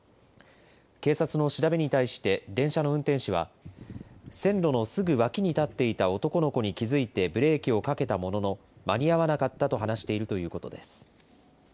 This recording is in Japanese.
警察の調べに対して、電車の運転士は、線路のすぐ脇に立っていた男の子に気付いてブレーキをかけたものの、間に合わなかったと話しているということです。